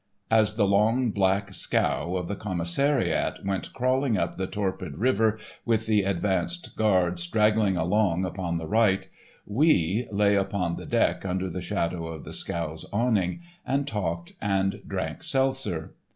As the long, black scow of the commissariat went crawling up the torpid river with the advance guard straggling along upon the right, "we" lay upon the deck under the shadow of the scow's awning and talked and drank seltzer.